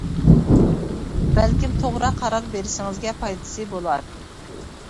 بەلكىم توغرا قارار بېرىشىڭىزگە پايدىسى بولار.